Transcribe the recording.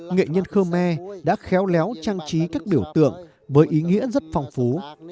nghệ nhân khmer đã khéo léo trang trí các biểu tượng với ý nghĩa rất phong phú